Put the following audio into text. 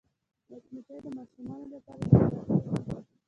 مچمچۍ د ماشومانو لپاره زړهراښکونکې ده